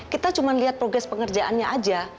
kita cuma lihat progres pengerjaannya aja